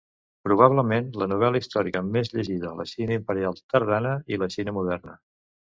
Probablement la novel·la històrica més llegida a la Xina Imperial tardana i la Xina Moderna.